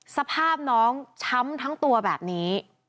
สภาพน้องช้ำทั้งตัวแบบนี้